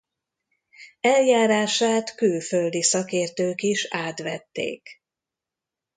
Eljárását külföldi szakértők is átvették.